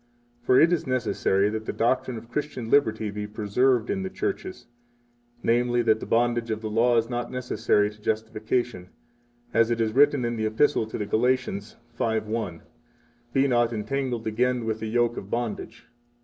For it is necessary that the doctrine of Christian liberty be preserved in the churches, namely, that the bondage of the Law is not necessary to justification, as it is written in the Epistle to the Galatians 5:1: Be not entangled again with the yoke of bondage.